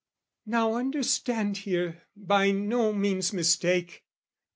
Now, understand here, by no means mistake!